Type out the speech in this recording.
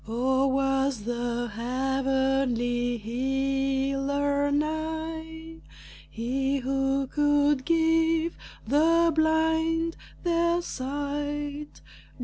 Oh, was the heavenly healer nigh, He who could give the blind their sight?